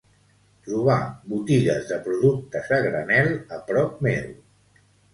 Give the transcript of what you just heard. Trobar botigues de productes a granel a prop meu.